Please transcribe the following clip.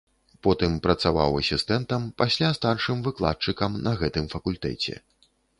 Потым працаваў асістэнтам, пасля старшым выкладчыкам на гэтым факультэце.